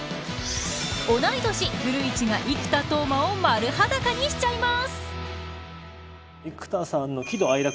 同い年古市が生田斗真を丸裸にしちゃいます。